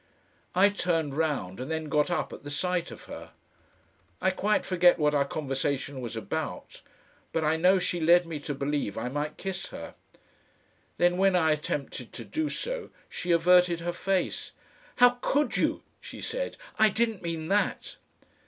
I turned round and then got up at the sight of her. I quite forget what our conversation was about, but I know she led me to believe I might kiss her. Then when I attempted to do so she averted her face. "How COULD you?" she said; "I didn't mean that!"